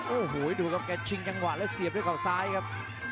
โอ้โหดูครับแกชิงจังหวะแล้วเสียบด้วยเขาซ้ายครับ